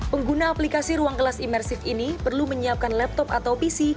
pengguna aplikasi ruang kelas imersif ini perlu menyiapkan laptop atau pc